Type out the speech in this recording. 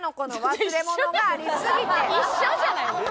一緒じゃないですか。